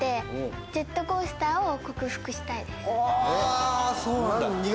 あそうなんだ。